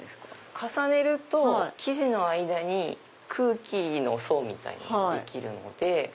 重ねると生地の間に空気の層ができるので。